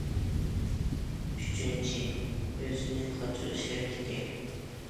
ئۈچىنچى، ئۆزىنى قاچۇرۇش ھەرىكىتى.